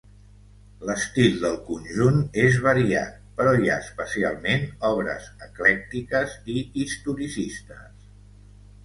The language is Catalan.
L'estil del conjunt és variat però hi ha especialment obres eclèctiques i historicistes.